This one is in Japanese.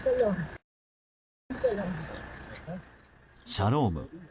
シャローム。